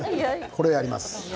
これ、やります。